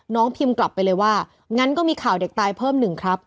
พิมพ์กลับไปเลยว่างั้นก็มีข่าวเด็กตายเพิ่มหนึ่งครับ